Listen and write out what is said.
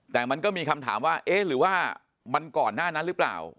แต่มันก็มีคำถามว่าเอ๊ะหรือว่ามันก่อนหน้านั้นหรือเปล่า